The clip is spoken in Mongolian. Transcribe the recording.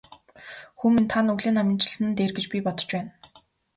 Хүү минь та нүглээ наманчилсан нь дээр гэж би бодож байна.